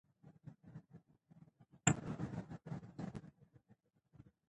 که خپلواکي وي نو فکر نه مري.